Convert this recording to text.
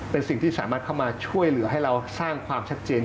เป็นสิ่งที่สามารถเข้ามาช่วยเหลือให้เราสร้างความชัดเจน